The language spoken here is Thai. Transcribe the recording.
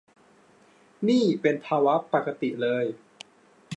นี่เป็นภาวะปกติเลย